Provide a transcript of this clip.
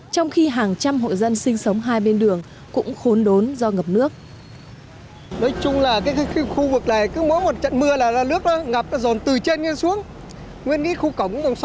trong khi hàng trăm hộ dân sinh sống hai bên đường cũng khốn đốn do ngập nước